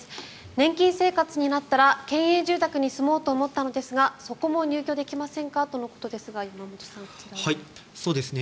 年金生活になったら県営住宅に住もうと思ったのですがそこも入居できませんかとのことですが山本さん、どうでしょうか。